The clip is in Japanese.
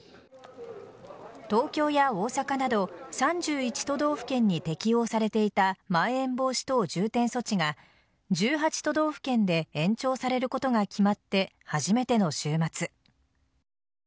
東京や大阪など３１都道府県に適用されていたまん延防止等重点措置が１８都道府県で延長されることが決まって初めての週末。